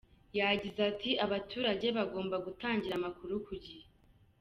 Yagize ati ‘Abaturage bagomba gutangira amakuru ku gihe.